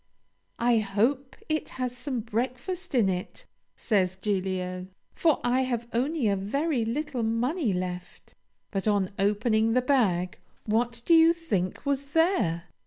'I hope it has some breakfast in it,' says Giglio, 'for I have only a very little money left.' But on opening the bag, what do you think was there?